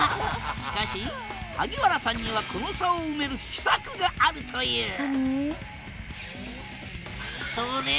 しかし萩原さんにはこの差を埋める秘策があるといううわ！